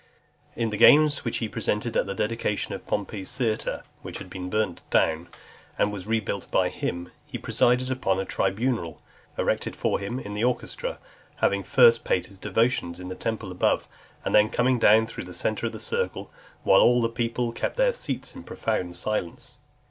In the games which he presented at the dedication of Pompey's theatre , which had been burnt down, and was rebuilt by him, he presided upon a tribunal erected for him in the orchestra; having first paid his devotions, in the temple above, and then coming down through the centre of the circle, while all the people kept their seats in profound silence .